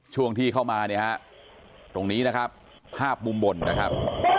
ช่วงที่เข้ามาเนี่ยฮะตรงนี้นะครับภาพมุมบนนะครับ